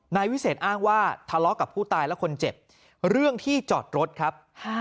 นายวิเศษอ้างว่าทะเลาะกับผู้ตายและคนเจ็บเรื่องที่จอดรถครับ